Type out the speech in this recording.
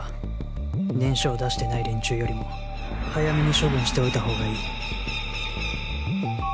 念書を出してない連中よりも早めに処分しておいたほうがいい